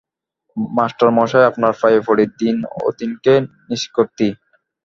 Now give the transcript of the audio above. মাস্টারমশায়, আপনার পায়ে পড়ি, দিন অতীনকে নিষ্কৃতি।